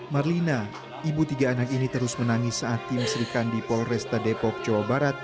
marlina ibu tiga anak ini terus menangis saat tim serikandi polresta depok jawa barat